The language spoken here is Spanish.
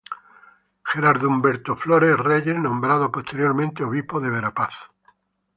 Gerardo Humberto Flores Reyes, nombrado posteriormente Obispo de Verapaz.